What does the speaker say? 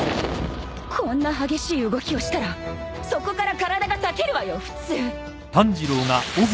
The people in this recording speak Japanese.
こんな激しい動きをしたらそこから体が裂けるわよ普通